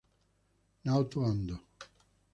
Naoto Ando